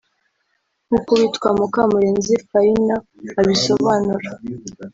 nk’uko uwitwa Mukamurenzi Faina abisobanura